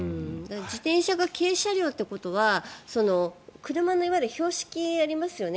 自転車が軽車両ということは車の標識、ありますよね。